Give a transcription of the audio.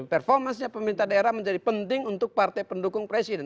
performance nya pemerintah daerah menjadi penting untuk partai pendukung presiden